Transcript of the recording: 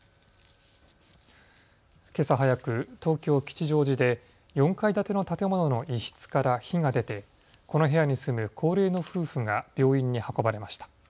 けさ早く、東京吉祥寺で４階建ての建物の一室から火が出てこの部屋に住む高齢の夫婦が病院に運ばれました。